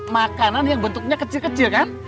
makanan yang bentuknya kecil kecil kan